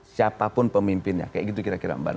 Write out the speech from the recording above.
siapapun pemimpinnya kayak gitu kira kira mbak